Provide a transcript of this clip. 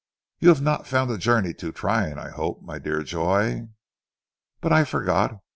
"You have not found the journey too trying, I hope, my dear Joy? But I forget.